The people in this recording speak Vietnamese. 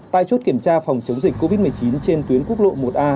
tại chốt kiểm tra phòng chống dịch covid một mươi chín trên tuyến quốc lộ một a